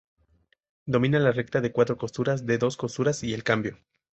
Domina la recta de cuatro costuras, de dos costuras, y el cambio.